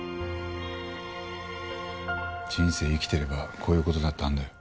人生生きてればこういう事だってあるんだよ。